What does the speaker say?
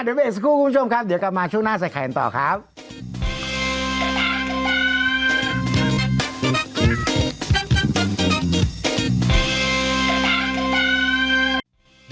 เดี๋ยวไปอีกสักครู่คุณผู้ชมครับเดี๋ยวกลับมาช่วงหน้าใส่แขนต่อครับ